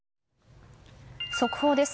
速報です。